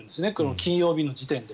金曜日の時点で。